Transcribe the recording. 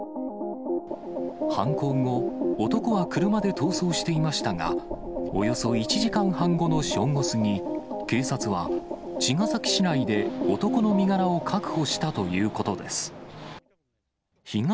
犯行後、男は車で逃走していましたが、およそ１時間半後の正午過ぎ、警察は、茅ヶ崎市内で男の身柄を確保したということです。